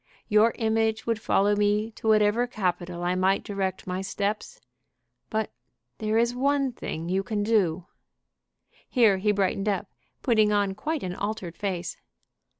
Your image would follow me to whatever capital I might direct my steps. But there is one thing you can do." Here he brightened up, putting on quite an altered face.